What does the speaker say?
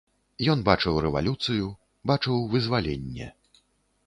Ён бачыў рэвалюцыю, бачыў вызваленне.